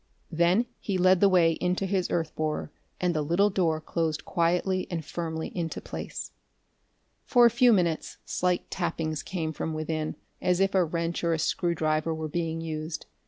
Then he led the way into his earth borer, and the little door closed quietly and firmly into place. For a few minutes slight tappings came from within, as if a wrench or a screwdriver were being used.